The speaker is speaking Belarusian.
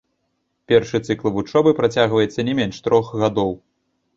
Першы цыкл вучобы працягваецца не менш трох гадоў.